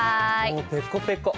もうペコペコ。